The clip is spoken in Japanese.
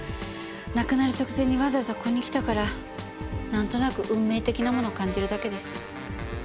亡くなる直前にわざわざここに来たからなんとなく運命的なものを感じるだけです。